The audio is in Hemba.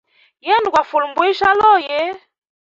Yena gwa fule mbwijya aluyi.